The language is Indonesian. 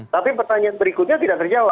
tapi pertanyaan berikutnya tidak terjawab